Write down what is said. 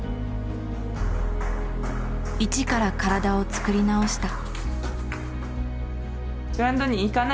一から体を作り直した。